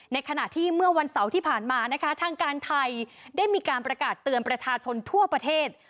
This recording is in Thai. ในขณะที่เมื่อวันเสาร์ที่ผ่านมานะคะทางการไทยได้มีการประกาศเตือนประชาชนทั่วประเทศ